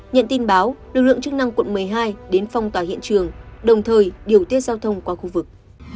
nhận tin báo lực lượng chức năng quận một mươi hai đến phong tỏa hiện trường đồng thời điều tiết giao thông qua khu vực